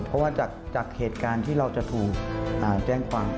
เพราะว่าจากเหตุการณ์ที่เราจะถูกแจ้งความ